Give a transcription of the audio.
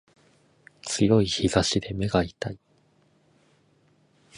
強い日差しで目が痛い